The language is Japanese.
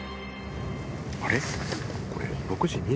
あれ？